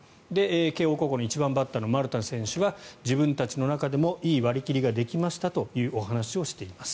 慶応高校の１番バッターの丸田選手は自分の中でもいい割り切りができましたとお話をしています。